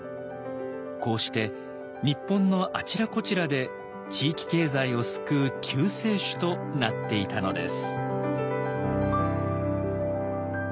こうして日本のあちらこちらで地域経済を救う救世主となっていたのです。